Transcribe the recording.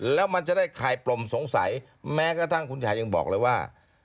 แล้วมันจะได้คลายปลมสงสัยแม้กระทั่งคุณชายยังบอกเลยว่า